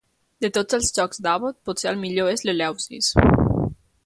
De tots els jocs d'Abbott, potser el millor és l'Eleusis.